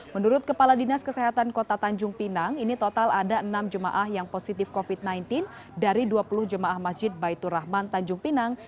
menurut kepala dinas kesehatan kota tanjung pinang ini total ada enam jemaah yang positif covid sembilan belas dari dua puluh jemaah masjid baitur rahman tanjung pinang